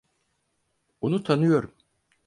Onu tanıyorum.